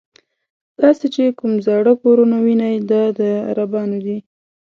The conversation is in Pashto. تاسې چې کوم زاړه کورونه وینئ دا د عربانو دي.